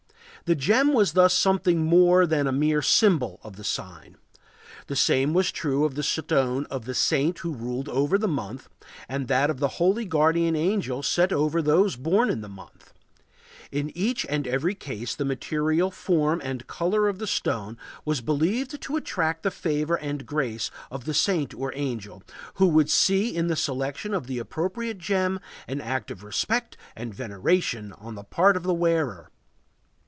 The gem was thus something more than a mere symbol of the sign. The same was true of the stone of the saint who ruled the month and that of the holy guardian angel set over those born in the month. In each and every case the material form and color of the stone was believed to attract the favor and grace of the saint or angel, who would see in the selection of the appropriate gem an act of respect and veneration on the part of the wearer.